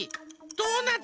ドーナツ。